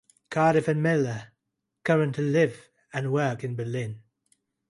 Cardiff and Miller currently live and work in Berlin.